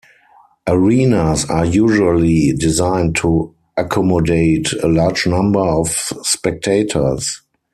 Arenas are usually designed to accommodate a large number of spectators.